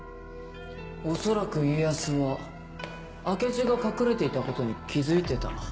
恐らく家康は明智が隠れていたことに気付いてた。